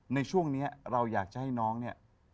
ในช่วงนี้เราอยากจะให้น้องเนี่ย